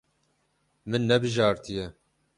Min nebijartiye.